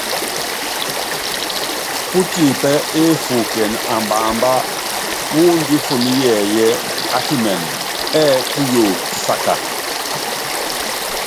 Pútiipɛ́ efuuken ambaambá wu ndífunɔ́ yɛɛyɛ́ a kimɛn ɛ́ɛ puyo tisáka.